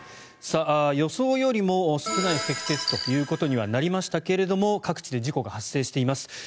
予想よりも少ない積雪ということにはなりましたが各地で事故が発生しています。